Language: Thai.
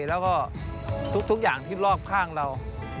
แล้วก็ทุกอย่างที่รอบข้างเรา